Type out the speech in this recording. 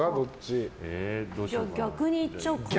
逆にいっちゃおうかな。